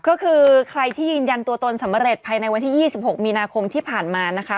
ก็คือใครที่ยืนยันตัวตนสำเร็จภายในวันที่๒๖มีนาคมที่ผ่านมานะคะ